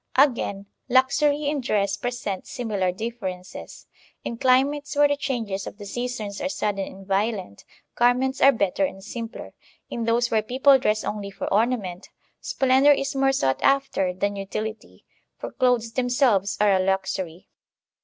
Again, luxury in dress presents similar differences. In climates where the changes of the seasons are sudden and violent, garments are better and simpler; in those where people dress only for ornament, splendor is more sought after than utility, for clothes themselves are a luxury.